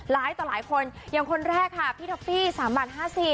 ล้ายต่อหลายคนอย่างคนแรกพี่ทัมฟี่สามบาทห้าสี่